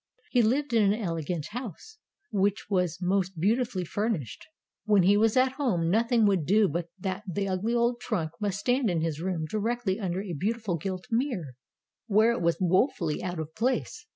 He lived in an elegant house, which was most beautifully furnished. When he was at home, nothing would do but that the ugly old trunk must stand in his room directly under a beautiful gilt mirror, where it was woefully out of place.